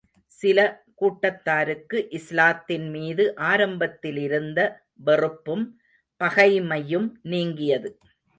சில கூட்டத்தாருக்கு, இஸ்லாத்தின் மீது ஆரம்பத்திலிருந்த வெறுப்பும், பகைமையும் நீங்கியது.